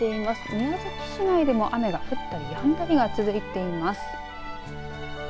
宮崎市内でも雨が降ったり止んだりが続いています。